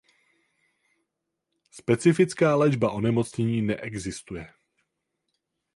Specifická léčba onemocnění neexistuje.